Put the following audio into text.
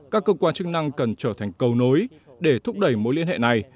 các cơ quan chức năng cần trở thành cầu nối để thúc đẩy mối liên hệ này